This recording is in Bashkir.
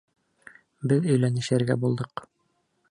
Беҙ өйләнешергә булдыҡ!